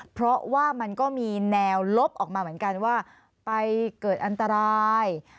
เพราะว่ามันก็มีแนวลบออกมาเหมือนกันว่าไปเกิดอันตราย